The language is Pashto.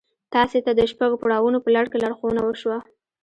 تاسې ته د شپږو پړاوونو په لړ کې لارښوونه وشوه.